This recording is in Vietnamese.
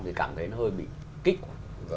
thì cảm thấy nó hơi bị kích quá